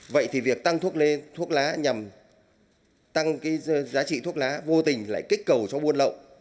vậy thì việc tăng thuốc lá nhằm tăng cái giá trị thuốc lá vô tình lại kích cầu cho bôn lậu